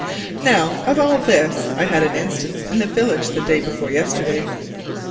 Now of all this I had an instance in the village the day before yesterday.